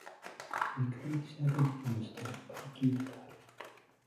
ミクロネシア連邦の首都はパリキールである